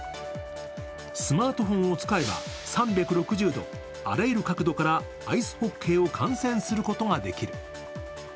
スマートフォンを使えば３６０度、あらゆる角度からアイスホッケーを観戦することができる。